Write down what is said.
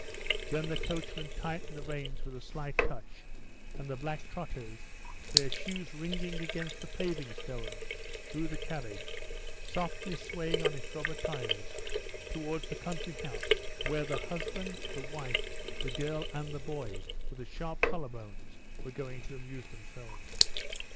Then the coachman tightened the reins with a slight touch, and the black trotters, their shoes ringing against the paving stones, drew the carriage, softly swaying on its rubber tires, towards the country house where the husband, the wife, the girl, and the boy with the sharp collar bones were going to amuse themselves.